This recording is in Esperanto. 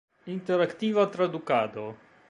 Interaktiva tradukado.